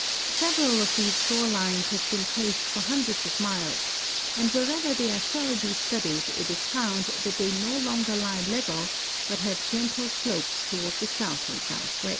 Several of these shore lines have Ix en traced for hundreds of miles, and wherever they are tlmrougbly studied it is found that they no longer lie level l)ut have gentle slopes toward the south and southwest.